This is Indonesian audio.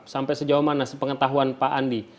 sampai sejauh mana sepengetahuan pak andi